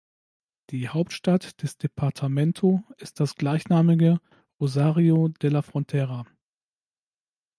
Die Hauptstadt des Departamento ist das gleichnamige Rosario de la Frontera.